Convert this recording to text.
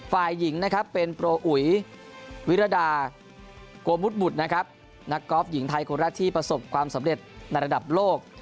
ฝ่ายหญิงเป็นโปรอุ๋ยวิรดาโกมุดนักกอล์ฟหญิงไทยคนรัฐที่ประสบความสำเร็จในระดับโลก